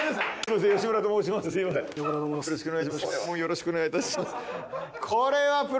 これはよろしくお願いします。